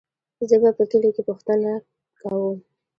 زه به په کلي کې پوښتنه وکم.